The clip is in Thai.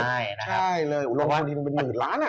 อุโรงพยาบาลนี้มันเป็นหมื่นล้านอะ